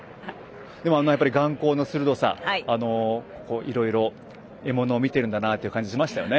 でもあの眼光の鋭さいろいろ獲物を見ているんだなという感じがしましたよね。